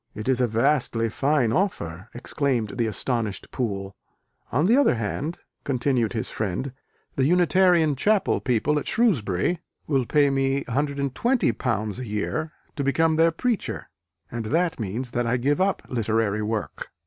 "It is a vastly fine offer!" exclaimed the astonished Poole. "On the other hand," continued his friend, "the Unitarian Chapel people at Shrewsbury will pay me £120 a year to become their preacher: and that means that I give up literary work.